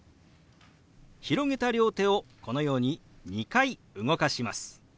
広げた両手をこのように２回動かします。